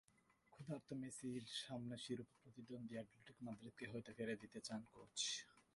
ক্ষুধার্ত মেসির সামনে শিরোপা প্রতিদ্বন্দ্বী অ্যাটলেটিকো মাদ্রিদকেই হয়তো ফেলে দিতে চান কোচ।